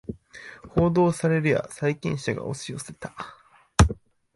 報道されるや債権者が押し寄せた